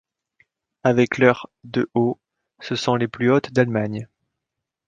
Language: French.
Avec leur de haut, ce sont les plus hautes d'Allemagne.